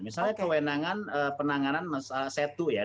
misalnya kewenangan penanganan setu ya